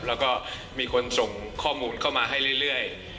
แล้วก็มีคนส่งข้อมูลเข้ามาให้เรื่อย